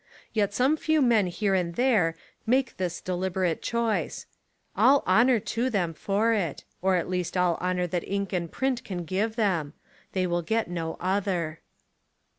Yet some few men here and there make this deliberate choice. All honour to them for it — or at least all hon our that ink and print can give them. They will get no other.